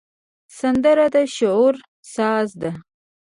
سندره د شعرونو ساز ده